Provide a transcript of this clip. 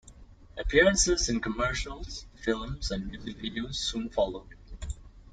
Appearances in commercials, films and music videos soon followed.